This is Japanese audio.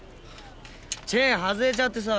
チェーン外れちゃってさ。